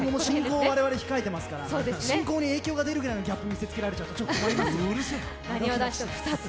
進行、我々控えていますから進行に影響が出るぐらいのギャップ見せつけられちゃうと。